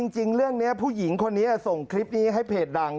จริงเรื่องนี้ผู้หญิงคนนี้ส่งคลิปนี้ให้เพจดัง